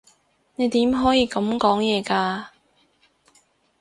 你點可以噉講嘢㗎？